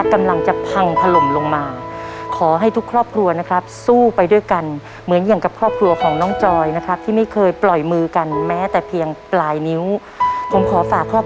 ว่าจะได้โบนัสกลับไปบ้านเท่าไหร่นะครับ